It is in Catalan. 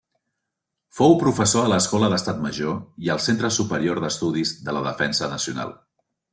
Fou professor a l'Escola d'Estat Major i al Centre Superior d'Estudis de la Defensa Nacional.